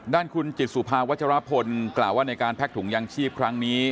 ด้านคุณจิตสุภาวัชรพลกล่าวว่าในการแพ็กถุงยางชีพครั้งนี้